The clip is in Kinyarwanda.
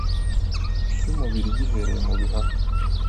by’umubiri gihereye mu bihaha